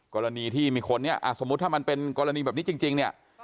กรณีที่มีคนเนี่ยสมมุติถ้ามันเป็นกรณีแบบนี้จริงเนี่ย